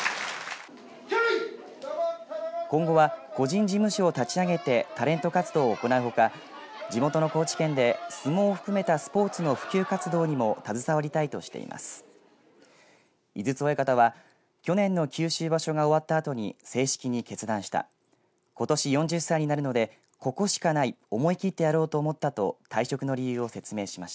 今後は個人事務所を立ち上げてタレント活動を行うほか地元の高知県で相撲を含めたスポーツの普及活動にも携わりたいとしています。